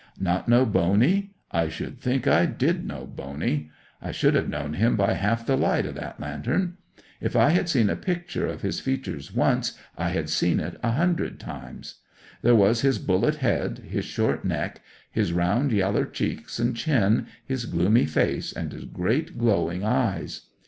Not know Boney? I should think I did know Boney. I should have known him by half the light o' that lantern. If I had seen a picture of his features once, I had seen it a hundred times. There was his bullet head, his short neck, his round yaller cheeks and chin, his gloomy face, and his great glowing eyes.